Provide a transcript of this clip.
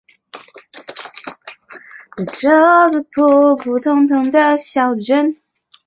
兰氏华溪蟹为溪蟹科华溪蟹属的动物。